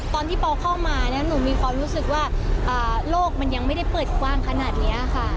ตอนที่ปอเข้ามาหนูมีความรู้สึกว่าโลกมันยังไม่ได้เปิดกว้างขนาดนี้ค่ะ